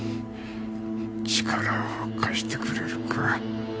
力を貸してくれるか？